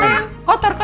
main sepeda bisiko